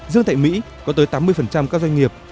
riêng tại mỹ có tới tám mươi các doanh nghiệp